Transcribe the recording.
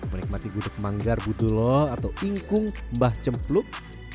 menikmati gudeg manggar buduloh atau ingkung mbah cempluk